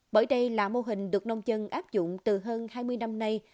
bởi đây là mô hình được nông dân áp dụng từ hơn hai mươi năm nay